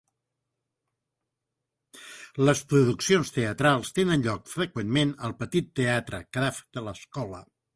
Les produccions teatrals tenen lloc freqüentment al petit Teatre Kraft de l'escola.